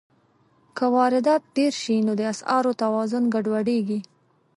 که واردات ډېر شي، نو د اسعارو توازن ګډوډېږي.